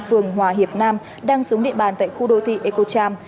phường hòa hiệp nam đang xuống địa bàn tại khu đô thị ecocham